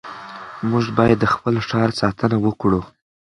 موږ باید د خپل ښار ساتنه وکړو.